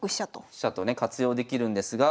飛車とね活用できるんですが。